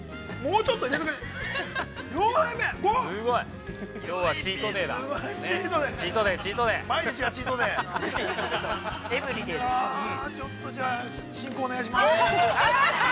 ◆ちょっとじゃあ、進行お願いします。